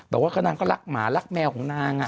บอกว่านางก็รักหมารักแมวของนาง